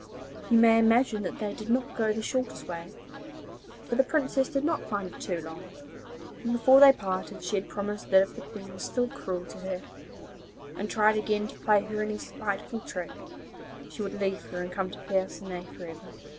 You may imagine that they did not go the shortest way, but the Princess did not find it too long, and before they parted she had promised that if the Queen was still cruel to her, and tried again to play her any spiteful trick, she would leave her and come to Percinet for ever.